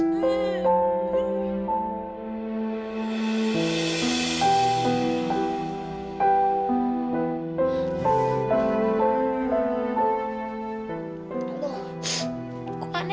enggak enak kasurnya